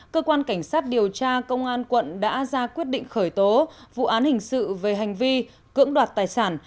cơ quan cảnh sát điều tra công an quận đã ra quyết định khởi tố vụ án hình sự về hành vi cưỡng đoạt tài sản